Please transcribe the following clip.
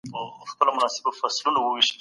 تاسي په خاطر د عزت دا کار وکړ.